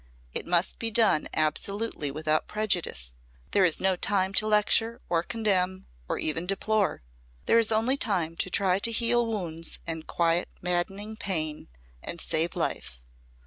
It must be done absolutely without prejudice. There is no time to lecture or condemn or even deplore. There is only time to try to heal wounds and quiet maddening pain and save life."